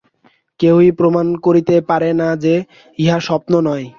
কেহই প্রমাণ করিতে পারে না যে, ইহা স্বপ্ন নয়।